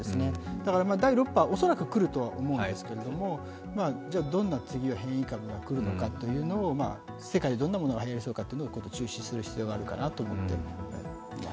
だから第６波、恐らく来ると思うんですけど、次はどんな変異株が来るかは世界でどんなものがはやりそうかというのを注視する必要があるかなと思います。